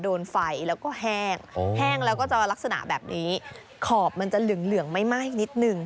โดนไฟแล้วก็แห้งแห้งแล้วก็จะลักษณะแบบนี้ขอบมันจะเหลืองเหลืองไม่มากนิดนึง